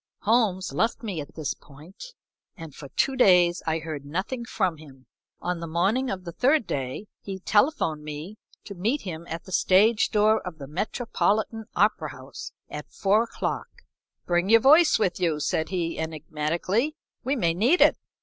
Holmes left me at this point, and for two days I heard nothing from him. On the morning of the third day he telephoned me to meet him at the stage door of the Metropolitan Opera House at four o'clock. "Bring your voice with you," said he, enigmatically, "we may need it."